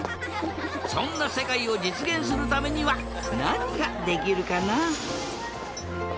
そんなせかいをじつげんするためにはなにができるかな？